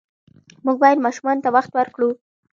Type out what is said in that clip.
موږ باید ماشومانو ته وخت ورکړو.